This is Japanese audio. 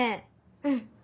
うん。